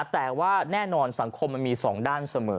แต่ว่าแน่นอนสังคมมันมี๒ด้านเสมอ